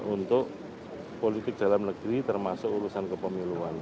untuk politik dalam negeri termasuk urusan kepemiluan